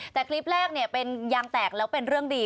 แต่คลิปแรกเป็นยางแตกแล้วเป็นเรื่องดี